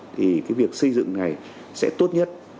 thì cái việc xây dựng này sẽ tốt nhất